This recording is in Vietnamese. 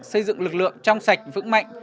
xây dựng lực lượng trong sạch vững mạnh